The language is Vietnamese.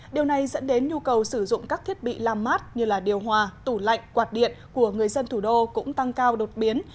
điều này dẫn đến nhu cầu sử dụng các thiết bị làm mát như điều hòa tủ lạnh quạt điện của người dân thủ đô cũng tăng cao đột biến